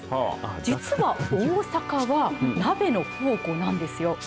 実は大阪は鍋の宝庫なんですよ。